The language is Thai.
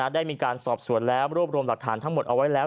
ได้มีการสอบสวนแล้วรวบรวมหลักฐานทั้งหมดเอาไว้แล้ว